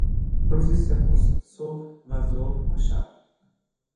روزی سه قرص: صبح و ظهر و شب